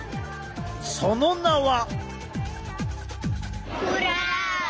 その名は。